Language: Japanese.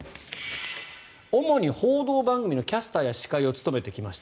主に報道番組のキャスターや司会を務めてきました。